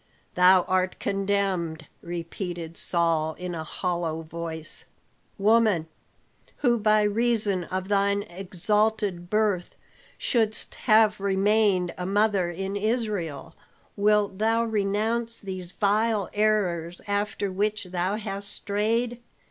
"Thou art condemned," repeated Saul in a hollow voice. "Woman, who by reason of thine exalted birth shouldst have remained a mother in Israel, wilt thou renounce these vile errors after which thou hast strayed?